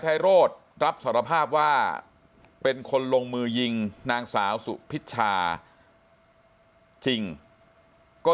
ภัยโรธรับสารภาพว่าเป็นคนลงมือยิงนางสาวสุพิชชาจริงก็